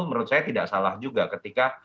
menurut saya tidak salah juga ketika